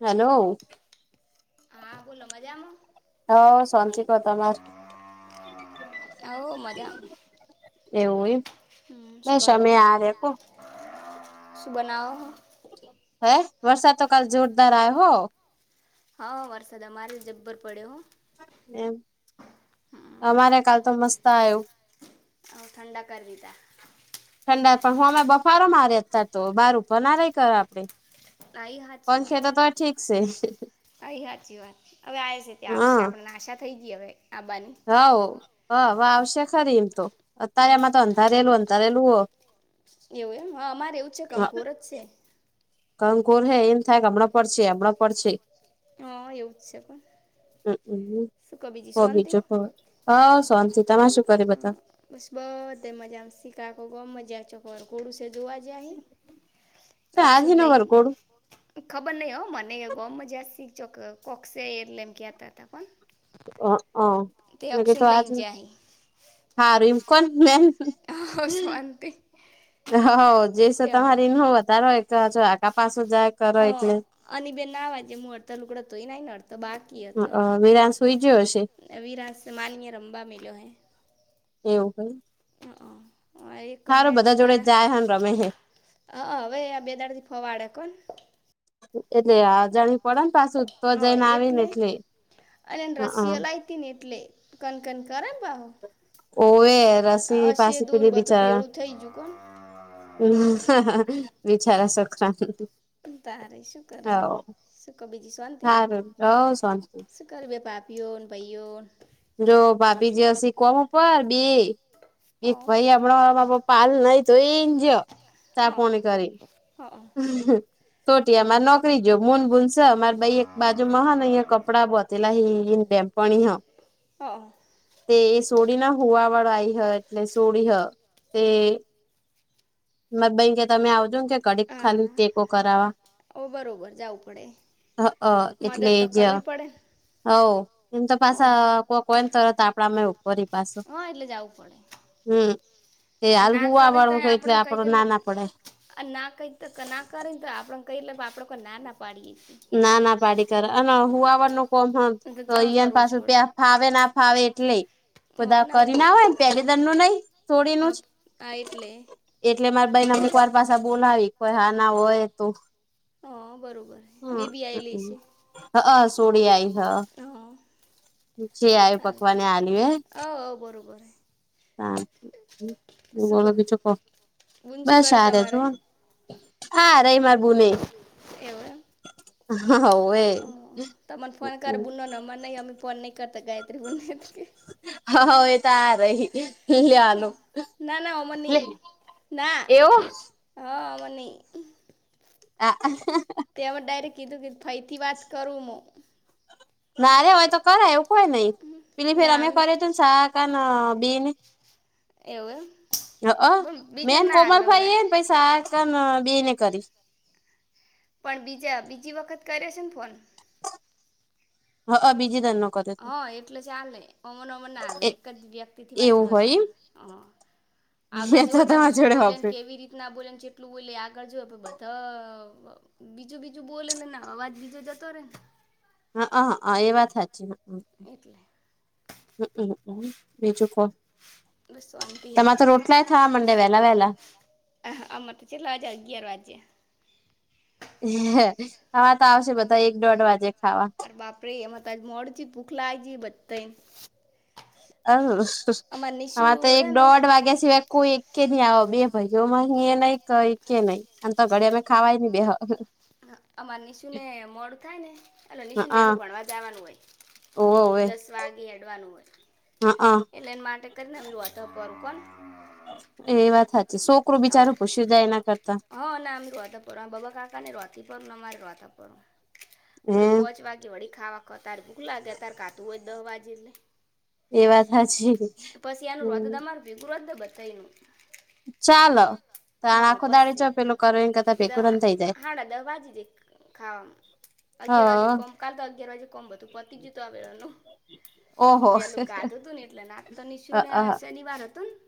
Hello હા બોલો મજામાં? હ શાંનતી કો તમાર હો મજામાં એવુંય હ સુું કરો સુું બનાવ? હે વરસાદ તો કાલ જોરદાર આ હો. હા વરસાદ અમારે જબ્બર પડ્યો હો. એમ હમ. અમારે કાલ તો મસ્ત આવું. હ ઠંડા કરી દીધા ઠંડા પણ હું અમે બફારો માર્યા હતા તો બહાર ફના રય કર આપડે આ ઈ પણ ખેતા તર ઠીક છે. હઈ સાચી વાત હવે આવે છે ત્યાં આવશે આપણે નાશા થઈ ગઈ હવે આબાની હ હ વાવે આવશે ખરી એમ તો અત્યારે એમાં તો અંધારેલું અંધારેલું હો. એવું એમ હ અમારે એવું છે કંકુર જ છે. કણ ઘોર હે એમ થાય કે હમણાં પડ છે હમણાં પર છે. હા એવું જ છે પણ હમ શું કો બીજી હો શાંતિ? બીજું હ હ સોંતિ તમે શું કર બધા? બસ બધે મજામાં શીખાકો ગ મજા ચોકર ઘોડુંસે જોવા જ આજે અક્ષન ન લઈ વરઘોડું ખબર નહિ હો મને ગમ જ શીખો કોકસે એટલે એમ કહેતા હતા પણ લઈને [unintelligible] હા રૂમ કોણ મે જ્યા શાંતિ હ જેસ તે તમારી નતાારો ચો આકા પાસો જાય કરો એટલે. અને બે નાવાજે હું અડ તો લુકડતો તોય ન ન અડતો બાર ક તો વિરાન સુઈ ગયો હશે અભી રા માય રમબા મલો્યો હૈ. એવું હોય. હ હ એ કમાયણ જોડે થારા જાય હન રમે હે હ હવે આ બે દાડ થી ફવાડે કો ને. એટલે આજણી પડે ને પાછું. તો હ જઈને આવી ને એટલે અને એ હઅ રસીયા લઈતી ને એટલે કનકન કરે બ ઓવે રસી પાછી અસેદું ને પીલી બધું બિચારા. ભેળું થઈ ગયું કોન હમ બચારા સકરાંત તારે શું કરે શું ક બીજી શવાંતિ. હારું હવ શાંતિ ઘર બે પાપીઓ ભાઈઓ રો ભાભીજી હસી કોમ ઉપર બ અ એક ભાઈ આપણા પાલ નઈ તો એ જ ચાપણી કરી. હા. તોટીમારે નોકરી જો મૂન બૂનશે અમારે ભાઈ એક બાજુ મહા અહિયાં કપડાં બ જેલા હ બેમ્પણી હ હ. તે એ સોડી ના હોવા વાળા આય હ એટલે સોડી હ તે મ બે કે તમે આવજો ને કે કડીક ખાલી ટેકો હા કરાવવા. ઓ બરોબર જાવું પડે મદદ તો કરવી પડે. હ એમ તો ઓ પાછ કો કોઈમ ચતા આપડા મે પરી પાછ હા એટલે જવું પડે હમ. એ આ હાર ના હવા વાળું ક એટલે આપડો ના ના પડે. આ ના કઈ તો ના કરીને તો આપડ કહીે આપડ કો ના ના પાડીએે. ના ના પાડી કરર અને હું આવવાર નું કોમ તો જ ન કરવું જ પાસે પડે ત્યાં ફાવે ના ફાવે એટલે. હ બદા ભાઈ કરી બરોબર ના હોય પેલી દર ન નહી છોડીનું હા જ હા એટલે એટલે મારે ભાઈ ના અમુકવાર પાસે બોલાવી કોઈ હા ના હોય તો. હા બરોબર. બેબી આવેલી હમ છે હા હ સોડી આઈ હ. હા છે આવ સારું તો પકવાને આલ આવ આવ બરોબર ું બ શું કહો બીું ક બુન શું બસ કરે સાર છ. તમારે હા રહી માર બુંને એવું એમ હ એ તમ મને ફોન કર બુનલોનો નંરહીંમી ફોનહી કરતા ગાય રહી બુનને કે. હા એ તો આ રહી લેનું. ના ના અમનિ ના એવું હ અમનની. હા. તેમાં ડાયરેક્ટ કીધું કે ફાઈથી વાત કરું મ. નારે હોય તો કરાય એવું કોય નહી પેલી ફેર ના અમે એમ કરએ તું ને શાક બીન એવું અ પણ બીજા મેન ના કોમલભાઈ હલવરા એને પૈસા આ બેને કરી પણ બીજા બીજી વખત કરે છે ને ફોન હ બીજી તનો. હા એટલે ચાલે અમન ઓમન નાલે એ એક જ વ્યક્તિ થી વાત એવું હોય એમ કરવાનું. હ આગળ મેં તો જોુવઓ તમે તમારી શું જોડે બોલે હોભળ્યું કેવી રીતના બોલે એટલું બોલી આગળ જો બધા બીજું બીજું બોલે ને અવાજ બીજો જતો રહેે ને. હા હ એ વાત સાચ છે. એટલે હ બીજું કો. શાંતિ. તો હે મા તો રોટલાય થા, મંડે વહેલા વહેલા અહ, અમૃ તો ચલ્લા જળગએ રવાજે હવા તો આવશે બધા એક દોઢ વાગે ખાવા બાપરેે એમાં તજ મોડ છે, ભૂખલાય છે, બધ હ નિશુ હમાં તો એક રે ને દોઢ વાગ્યા સિવાય કોઈ એક કે નહી આવ બે ભાઈઓમાં અહી નહી કઈ કે નહી આમ તો ઘડી અમે ખાવાય નહી બેહ અમાર નિશુ ને મળડું થાય ને એટલે નિનીશુ ને પેલું ભણવા જવાનું હોય ઓવે દસ વાગે અડવાનું હોય. હા હ એટલે એને માટે કરીને એ વોટઅપ કરું કોને ઍની વાત સાચી છોકરું બિચારું પૂછ જાય એના કરતા હં ના અમે રવાતે પું આ બાબા કાકાને હોવાતેથી પ પરું અ મારે રવા હતાતા પું થોડી હમ પહોચ વા ગે વળીાવા ખવા ત્યારે ભૂખ લાગે ત્યારે કાતું હોય દહ વાગે એટલે એ વાતા છે, હમ વિગુૃધ બતાૈનું ચાલો. હ તાણ આખો દાડી જો પછી પેલું કરો એન કરતા ભેગું રન થઈ જાય હાડા દહભાજી જ ખાવામાં હ અગિયાર વાગે કોમ કાલ તો અગિયાર વાજે કોમ હતું પતી ગયતું આ વેા નનું ઓહો! ગાત હતું ને એટલે નાતોની શું ને શનિવાર હતું ને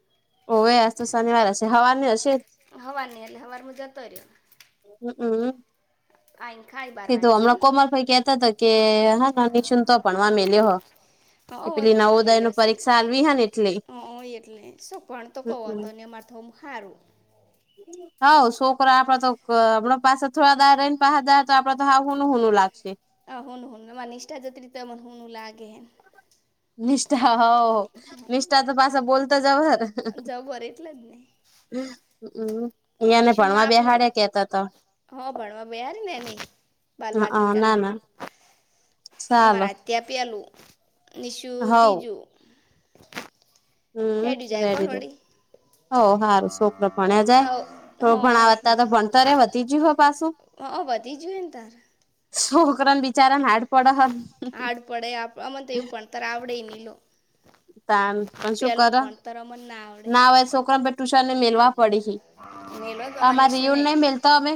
ઓવે શનિવાર હશે, હવાની હશે હવા નહી એલે હવાર મુજાતો રહ્યો હમ, હમ. પા ખાઈ બાર કીધું વાગે કોણ હમણાં કોમાલ ભાઈ કેતા હતા કે હા નિશું તો ભણવામે લેહો હાય પણ વાવેલોશે આલવી હે ને એટલે હ હોય, એટલે શું પણ તોકો તોને એ મારથમું હારું હ છોકરા આપડ તો હમણા પાસે થોડા દાર રહી ને પા દાર તો આપડે તો હા હુનું, હુનું લાગશે. હ હન, હન મા નિષ્ઠા જત્રી ત મનેનું લાગે નિષ્ઠા હો નિષ્ઠા તો પાછ બોલતા જવર જરટલે જ નને હમ. યાને નિશુન ભણવા માપનું બેહાડે કેતા તો હ ભણવા બેાર ને એની હ, હ બાલવાટિકા ના, ના ચાલો ત્યાપી આલું નિશું હોવ તીજું હમ હેડ્યું જાય રૅ કોણ દ વળી હો સારું છોકરો ભણ્યા જાય થોડું હા ભણ એટલે વધતા તો ભણતરે વધી ગયું હો. પાછું હા વધી જું ને તારે છોકરાન બિચારાને હાડ પડ હાડ પડે અમને તો એવું પણ ત્યારે આવડે હી લો ત પણ શું પહેલનું કરો ભણતર અમને આવડે ના હોય છોકરા પર ટુશન ને મેલવા પડી છે. મેલો તો અમારા અમા રિયું નિશુને નહી મેલતો હવે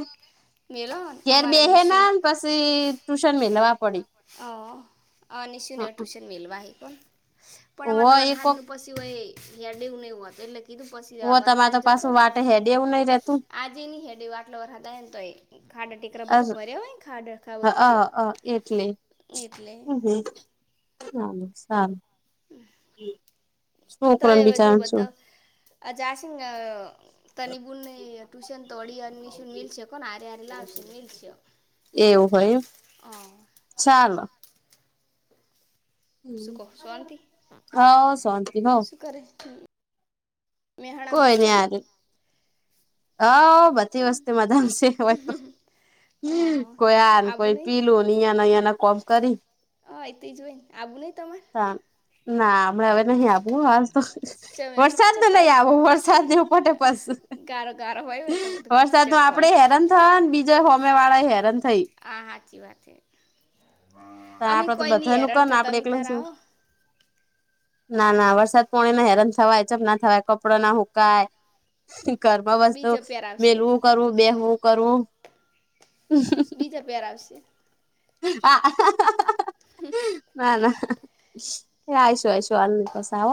મેલો ઘેર બે અમારા હ ના નિશુને પ ટ્યુશન મે અ નિશુન હ ટ્યુશન મેલવા હ કોણ પણ આમાં વ તો એ કોક વરહાદનું પ સિવાય યાારેવ ન હત એટલે કીધું પછી વ વર તમારે હાડ તો જતો પાછું વાટે હેડે એવું નઈ રેતું આજે ની હેડી વાટલો વર હદ એને તોય ખાડા ટેકરા બધું ભર્યા હોય ને ખાડ ખાવચ હ એટલે હ, હ સારું શુંકરણ વિચાર છું [unintelligible] તન બુ ટ્યુશન તો ઓળશ મલ કોને આરે આ લાવશે મલ છે. એવું હોય હ ચાલ શું કહો હ હા શંત હ કર કોઈ નઈ યાર હ બધી વસ્તી મધામ છે તો કોઈ આ આવું કોઈ નહીં પીલું યા ના અં ના કોમ કરી આબુ નઈ તમાર? તાન ના, હમણા હવે નહી આબુ હો હાલ તો, ચમ એમ વરસાદનું નઈ ચટાઈ આવુ. વરસાદની ઉપર તો બસ, ગારો ગારો હોય ને તો બધું કિચડ વરસાદના કોણ આપડે હેરાન તાન બીજા હોમે વાળાય હેરાન થઈ આ સાચી વાત હે. અમી આપડે તો કોઈ ની બધાનું કર હેરન ને થતા આપડે તમી એકલા તાર શું આવો. ના, ના વરસાદ પોણી હેરાન થવાય, ચમ ના થવાય. કપડા ન હુકાય, ઘરમાં વસ્તુ બીજો પેર આવશે મેલવું કરવું, બેહવું કરવું બીજા પેરાવ શે. હાહા. ના, ના એ આઈશું-આઈશું હાલની પસ આવ.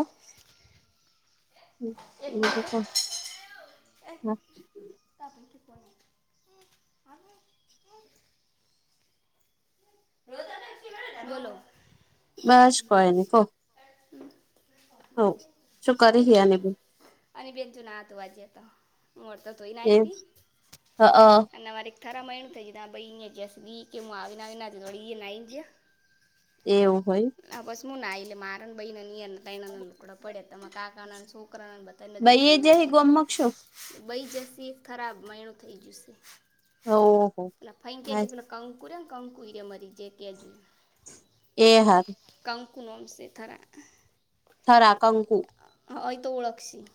એક એ જ મિનિટ પણ [unintelligible] તા પસી કોણ [unintelligible] બોલો બસ કોઈ ની કો. હન, શું કરી હે શાંતિ અને [unintelligible] અને બેન જુ ન આ ધોવા જ્યો તો, મોઢ તો ધોઈન એ આઈ તી. હ અન વરી થારામાં એમ થઈ ગયું ના ભઈ ઈનયે જસબી કે મુ આવી ન આવી ના જવ ઈય નાઈન જ્યાં. એવું હોય. ના બસ મુ નાઈ લે મારન, બઈને ન ઈયન. દઈનાના લુઘડા પડ્યા. તમ કાકાના ન, છોકરાના ન બધા ન લજની ભાઈ એ ધોય જે નાખશે તો ગોમક શું બઈ જસી ખરાબ મેણું થઈ જશે. ઓહો પેલા ફેઈકે જે પેલા કંકુર કંકુ ઈરયા મરી જાય કે જો એ હારુ. કંકુ નોમ સે થરા. થરા કંકુ. હ હઅ ઈ તો ઓળખશી.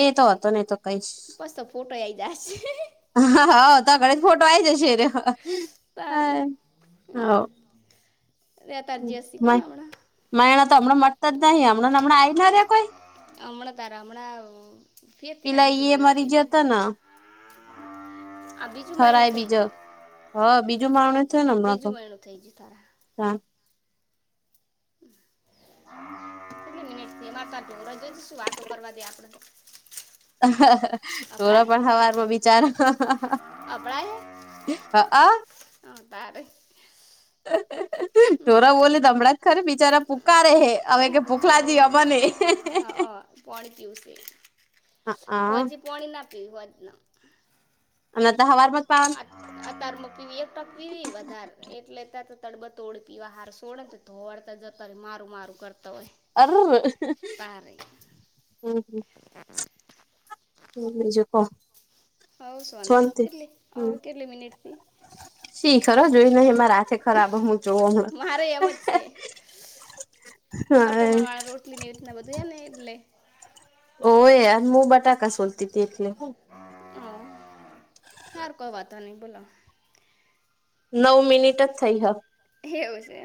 એ તો હતો ને તો કઈશ. પસ તો ફોટો આઈ જાશે. હઅ, હઅ તા ઘડી ફોટો આઈ જશે ને. સારી. મ મયણા તો અમણાં મરતો જ નહી અમણાં-અમણાં આઈ ના રે કોઈ અમણા તાર અમણાં ફેરતી ન આ પેલા બીજું ઈ એ મહિનું મરી થઈ ગયો ગયુ. હતો ને આ બીજું મહિનું થરાય થઈ બીજો જયું, હ બીજું બીજું મહિનું થઈ જયું તાર. તા. [inaudible] કેટલી મિનિટ થઈ માર તાન [unintelligible] શું વાતો કરવા દે આપડન. ઢોરો પણ હવારમાં બિચારો અભળાય હ? હ અ. હન તારે. ઢોરા બોલે સંભળાત ખરુ, બિચારા પૂકારે હે. હવે [unintelligible] કે ભૂખલાજી અમને હન અ પોણી પીવું સે, હા હોજે પોણી ના પીવુ હોજન. ન તો હવારમાં જ પાવાનું. તાર મક પીવી એક ટક પીવી વધાર, એટલેે તા તો તડબડતોડ પીવા હાર સોળ જ ધોડતા જતા રે. મારું-મારું કરતા હોય. અર, હમ, તારે હમ. હમ, બીજું કો? હવ, શોન્તી શાંતિ ચેટલી હમ અવ કેટલી મિનિટ થી? શી ખરો જોયુ નહી, માર હાથે ખરાબ હ. હું જોવુ હમણ. મારે એમ જ છે હા. અટમણવાળા રોટલી ની એ રીતના બધું ને એટલે ઓ એયાર હું બટાકા સોલતી હતી એટલે હ હયાર કોઈ વાતા ન ભોલા. નવ મિનિટ જ [unintelligible] એવું છે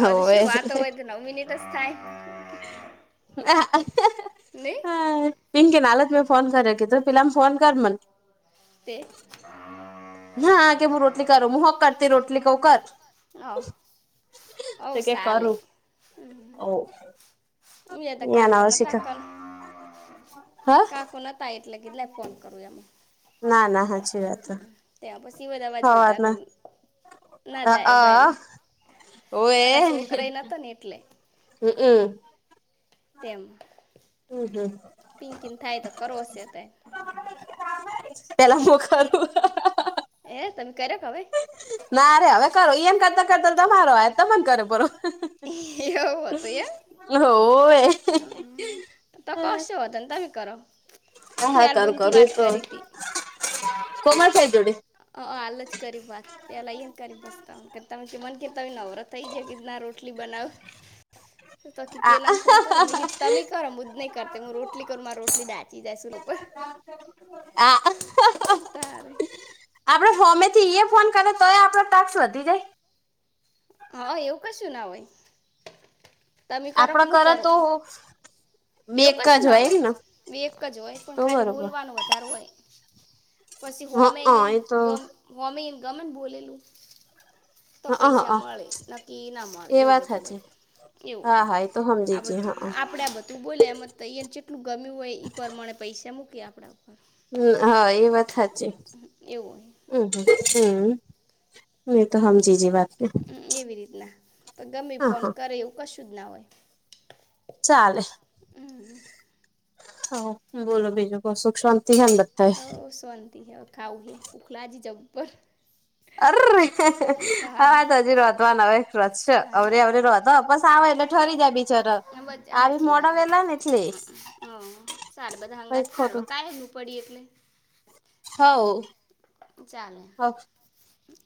આધ ઓવે શું વાતો હોય તો નવ મિનિટ જ થાય હ ન હ પિન કે નાાલજ મેં ફોન કર્યા કેી ત પિલામાં ફોન કર મન તે હા કે હું રોટલી કરું હું હોક કરતી રોટલી ક કર હ હ સાલે હ ઓ દ કાકોનેતાકલ હ કાકોને એટલે કેીધ ફોન કરું એમ ના ના સાચી વાત. ત્યાં પછી બધા બાજ બ હવારમાં ના અ અ જાય બાઈરે ઓએ અા છોકરાઈ નતો ને એટલે. હમ હમ. તેમ હમ હમ પિંકીિંગ થાય તો કરોસ તે. પેલા મો ખું. એ તમે કર્યો કે હવે ના રરે હવે કરો એમ કરતા કરતા તમારો હય તને કરો બરરો. એવું હતું એમ ઓ એ. હમ. તો કશો હો હતાને તમે કરો. હા મેં હાકાર કર આલબુનથી એ વાત તો કરી હતી કોમા થાય જોડ. અ હાલ જ કરી વાત. પેલા એને કરી બસતા ત મને કેતા હોય નવરો થઈ જાય કે ના રોટલી બનાવ. [inaudible] તોકી આ પેલામાં ફોન કરો મે તમે કરો હું જ નહી કરતો હું રોટલી કરું મારા રોટલી ડઢાંચી જાયશું લોકોર. હા. કાર. આપડે ફમેથી ફોન કરે તોય આપડો ટક્ષ વધી જાય. હા એવું કશું ના હોય. તમે કરો આપડે મ કરે કરો. તો બે એવું એક કશ જ ના એમ ને હોય એક જ હોય તો પણ ખાલી બરોબર બોલવાનો વધારે હોય. પછી હો મે હ એ તો મેંને ગમેને બોલેલું. તો હ હ પૈસા મળે નકી ના મળે એ એવું વાત બધું હોય. સાચી કેવું હા હા એ તો આ સમજી છે હા આપણે બધા તોું બોલે એમ તો અહીંયાને જેટલું ગમ્યું હોય એ પ્રમાણે પૈસા મૂકી આપણા. ઉપર હમ હા એ વાત સાચી એવું હોય હમ હમ. એ તો હમ જી જ હમ એવી રીતના પણ ગમે હા ફોન હા કરે એવું કશું જ ના હોય. ચાલે. હમ હમ. હા બોલો બીજું કો સુખ શાંતિ છે હ શંતી હ ખાઉ હ ઉખલાજી જબ્બર. અ્રી તારે હા તો હજી રોતવા ન હવે રત હાય અરે અરી બાપા રતો બસ આવે એટલે ઠરી જાય બીચાર સાચી વાત હ સારું બધા હંગાત કઈ સાર ખોટું કાયલું પડી એટલે. હ. ચાલે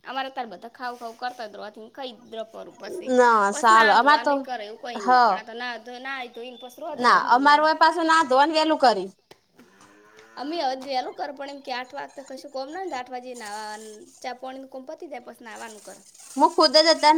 અમારે તાર બધા ખાવું ખાવું કરતાથી ખ કરું પછી ના બસ સારું ના અમાર ધોવા તો નહી કરે એવું કઈ હ નઈ પણ આ ના ના ધોને ના અમારું હોય પાછું ના ધોને વેલું કરી. અમે એેલું કર પણ એમ કે આઠ વાગ તો કશું કોમ ના આઠ વાગે ચા પોણી ક કોમપતી દ્યા પશના આવવાનું કર. મું ખુદ જ